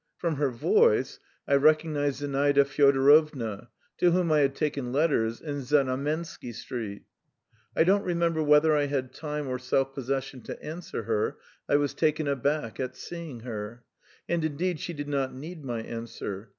From her voice I recognised Zinaida Fyodorovna, to whom I had taken letters in Znamensky Street. I don't remember whether I had time or self possession to answer her I was taken aback at seeing her. And, indeed, she did not need my answer.